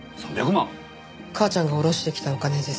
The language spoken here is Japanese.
母ちゃんが下ろしてきたお金です。